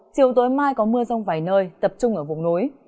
chiều tối mai có mưa rông vài nơi tập trung ở vùng núi